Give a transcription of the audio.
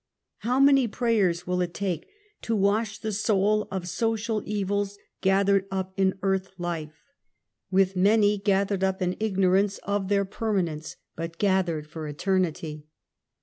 How many prayers will it take to wash the soul of social evils gathered up in earth life ? With many SOCIAL EVIL. 87 gathered up in ignorance of their ■permanence^ but gathered for eternity.